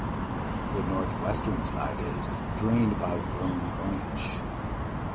The northwestern side is drained by Rone Branch.